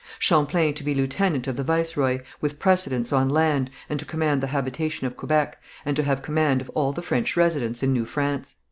Champlain to be lieutenant of the viceroy, with precedence on land, and to command the habitation of Quebec, and to have command of all the French residents in New France.